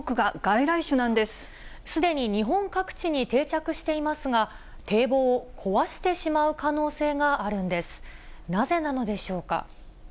すでに日本各地に定着していますが、堤防を壊してしまう可能性があるんです。